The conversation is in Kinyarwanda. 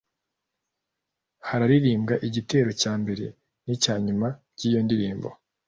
haririmbwa igitero cya mbere n’icya nyuma by’iyo ndirimbo